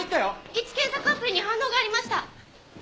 位置検索アプリに反応がありました！